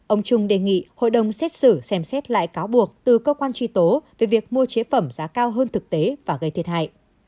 ông trung đề nghị hội đồng xét xử xem xét lại cáo buộc từ cơ quan truy tố về việc mua chế phẩm giá cao hơn thực tế và gây thiệt hại